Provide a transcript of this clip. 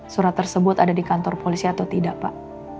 surat tersebut ada di kantor polisi atau tidak pak